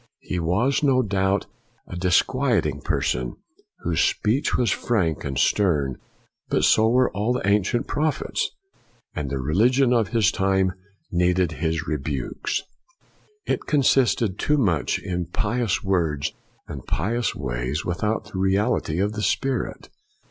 He was, no doubt, a disquieting person, whose speech was frank and stern, but so were all the ancient prophets. And the religion FOX 295 of his time needed his rebukes. It con sisted too much in pious words and pious ways, without the reality of the spirit.